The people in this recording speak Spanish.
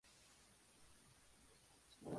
No cuenta con afluentes importantes.